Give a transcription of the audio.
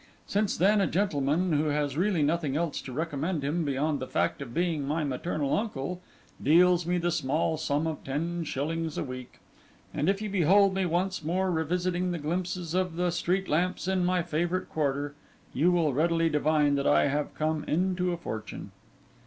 Since then a gentleman, who has really nothing else to recommend him beyond the fact of being my maternal uncle, deals me the small sum of ten shillings a week; and if you behold me once more revisiting the glimpses of the street lamps in my favourite quarter, you will readily divine that I have come into a fortune.